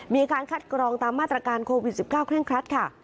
มีการคัดกรองตามมาตรการโควิด๑๙เร่งครัดค่ะ